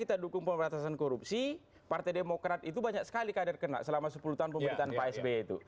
kita dukung pemerintahan korupsi partai demokrat itu banyak sekali kader kena selama sepuluh tahun pemerintahan pak sby itu